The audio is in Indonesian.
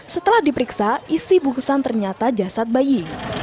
setelah diperiksa isi bungkusan ternyata jasad bayi